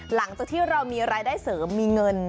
หลังจากที่เรามีรายได้เสริมมีเงิน